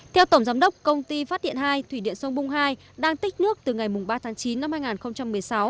theo tổng giám đốc công ty phát điện hai thủy điện sông bung hai đang tích nước từ ngày ba tháng chín năm hai nghìn một mươi sáu